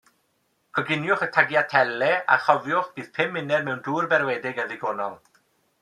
Coginiwch y tagliatelle, a chofiwch, bydd pum munud mewn dŵr berwedig yn ddigonol.